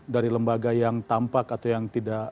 dari lembaga yang tampak atau yang tidak